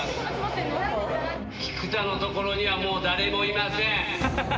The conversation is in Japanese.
菊田のところにはもう誰もいません。